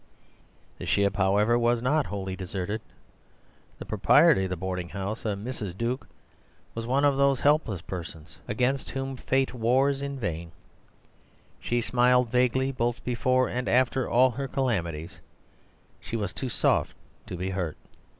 The ship, however, was not wholly deserted. The proprietor of the boarding house, a Mrs. Duke, was one of those helpless persons against whom fate wars in vain; she smiled vaguely both before and after all her calamities; she was too soft to be hurt.